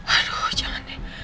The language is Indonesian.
aduh jangan nih